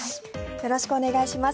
よろしくお願いします。